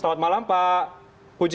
selamat malam pak puji